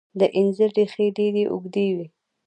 د انځر ریښې ډیرې اوږدې وي.